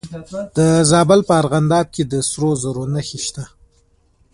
د زابل په ارغنداب کې د سرو زرو نښې شته.